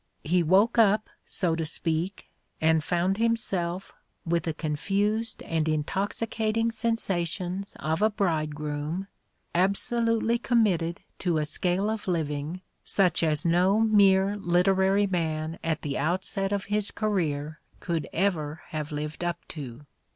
— he woke up, so to speak, and found himself, with the confused and intoxicating sen sations of a bridegroom, absolutely committed to a scale of living such as no mere literary man at the outset of his career could ever have lived up to.